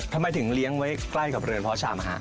ทำไมถึงเลี้ยงไว้ใกล้กับเรือนเพาะชามฮะ